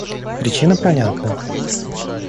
Причина понятна.